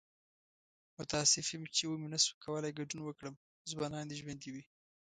متاسف یم چې و مې نشو کولی ګډون وکړم. ځوانان دې ژوندي وي!